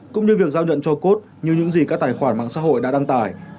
cũng như việc giao nhận cho cốt như những gì các tài khoản mạng xã hội đã đăng tải